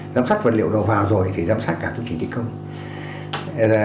giám sát vật liệu vào rồi thì giám sát cả các chủ trình thi công